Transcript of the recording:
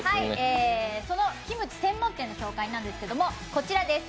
そのキムチ専門店の紹介なんですけど、こちらです。